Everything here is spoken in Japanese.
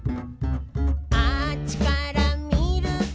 「あっちからみると」